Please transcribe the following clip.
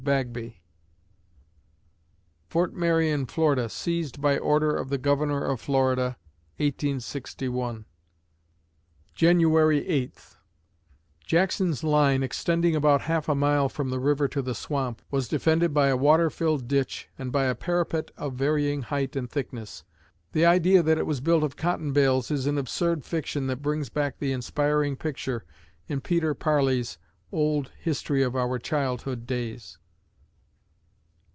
BAGBY Fort Marion, Florida, seized by order of the Governor of Florida, 1861 January Eighth Jackson's line, extending about half a mile from the river to the swamp, was defended by a water filled ditch and by a parapet of varying height and thickness. The idea that it was built of cotton bales is an absurd fiction that brings back the inspiring picture in Peter Parley's old history of our childhood days....